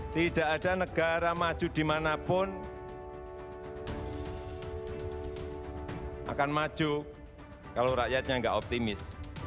tidak ada negara maju dimanapun akan maju kalau rakyatnya nggak optimis